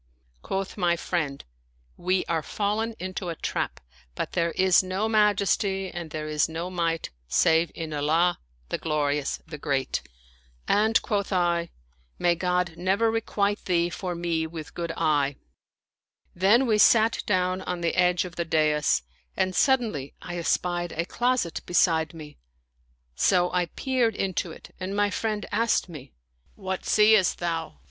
Quoth my friend, " We are fallen into a trap ; but there is no Majesty and there is no Might save in Allah, the i66 Told by the Constabk Glorious, the Great I " And quoth I, " May God never re quite thee for me with good 1 " Then we sat down on the edge of the dais and suddenly I espied a closet beside me ; so I peered into it and my friend asked me, " What seest thou